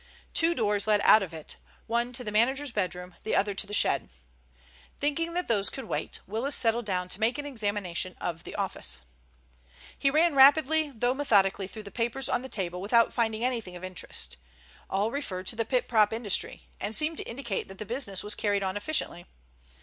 Two doors led out of it, one to the manager's bedroom, the other to the shed. Thinking that those could wait, Willis settled down to make an examination of the office. He ran rapidly though methodically through the papers on the table without finding anything of interest. All referred to the pit prop industry, and seemed to indicate that the business was carried on efficiently.